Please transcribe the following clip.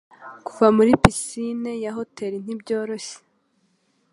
kuva muri pisine ya hoteri ni byoroshye